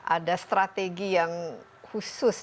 ada strategi yang khusus